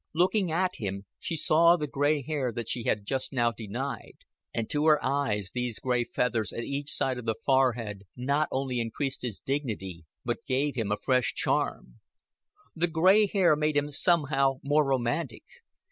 Looking at him, she saw the gray hair that she had just now denied; and to her eyes these gray feathers at each side of the forehead not only increased his dignity, but gave him a fresh charm. The gray hair made him somehow more romantic.